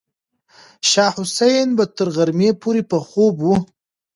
شاه حسین به تر غرمې پورې په خوب و.